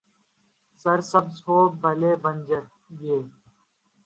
سر سبز ہو، بھلے بنجر، یہ